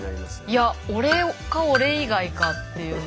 いや「俺か俺以外か」っていうのが。